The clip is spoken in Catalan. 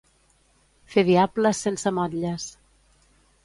Fer diables sense motlles.